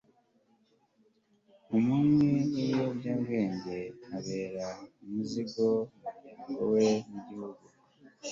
umunywi w'ibiyobyabwenge abera umuzigo umuryango we n'igihugu